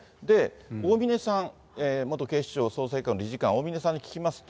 大峯さん、元警視庁捜査１課の理事官、大峯さんに聞きますと。